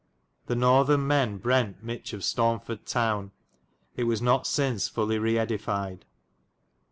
The northen men brent miche of Staunford towne. It Lincoln was not synce fully reedified.